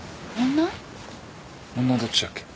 女どっちだっけ？